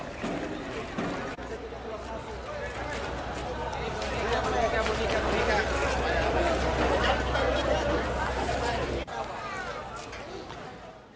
berita terkini mengenai penumpang yang telah dihantar ke pelabuhan merak banten